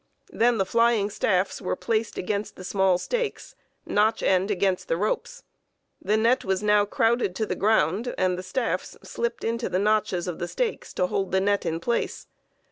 Then the flying staffs were placed against the small stakes, notch end against the ropes. The net was now crowded to the ground and the staffs slipped into the notches of the stakes to hold the net in place.